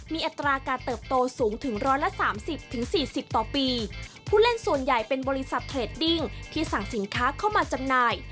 มีอัตราการเติบโตสูงถึง๑๓๐๔๐ต่อปีผู้เล่นส่วนใหญ่เป็นบริษัทเทรดดิ้งที่สั่งสินค้าเข้ามาจำหน่าย